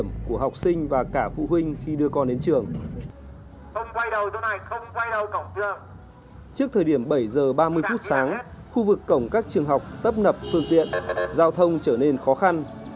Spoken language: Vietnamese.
trước thời điểm bảy h ba mươi phút sáng khu vực cổng các trường học tấp nập phương tiện giao thông trở nên khó khăn